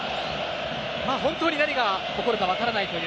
本当に何が起こるか分からないという